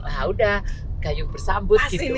wah udah gayung bersambut gitu